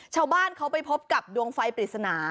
ชาวบ้านเขาไปพบกับดวงไฟปริศนา